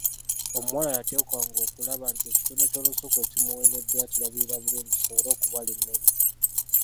Omuwala yateekwa ng’okulaba nti ekitundu ky’olusuku ekimuweereddwa akirabirira bulungi kisobole okubala emmere.